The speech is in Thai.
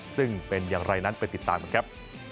ซึ่งเป็นอย่างไรนั้นไปติดตามกันครับ